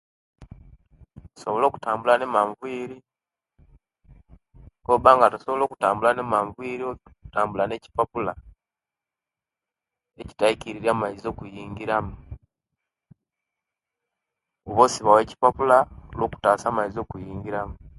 Insobola okutambula ne maaviri owobanga tosobola okutambula ne maaviri otambula ne kipapula echitaikiriria amaizi okuyingiramu oba osibawo ekipapula olwokutasia amaizi obutayingiramu